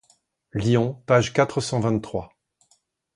Lyon, page quatre cent vingt-trois.